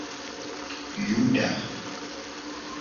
Yuda.